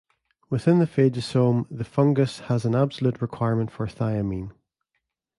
Within the phagosome the fungus has an absolute requirement for thiamine.